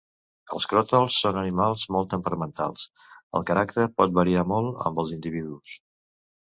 Els cròtals són animals molt temperamentals, el caràcter pot variar molt amb els individus.